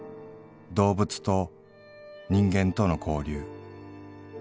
動物と人間との交流。